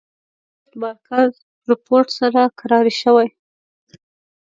رابرټ بارکر رپوټ سره کراري شوې.